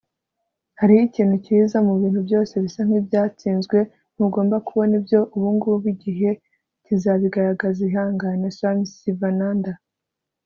hariho ikintu cyiza mubintu byose bisa nkibyatsinzwe. ntugomba kubona ibyo ubungubu. igihe kizabigaragaza. ihangane. - swami sivananda